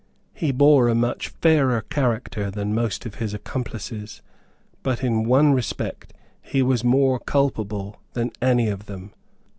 He bore a much fairer character than most of his accomplices; but in one respect he was more culpable than any of them.